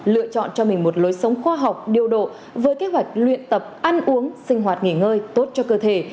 lựa chọn cho mình một lối sống khoa học điều độ với kế hoạch luyện tập ăn uống sinh hoạt nghỉ ngơi tốt cho cơ thể